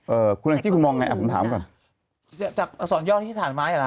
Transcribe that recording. เอ่อคุณอาจิคุณมองยังไงอ่ะผมถามก่อนจากสอนย่อที่ฐานม้ายังไง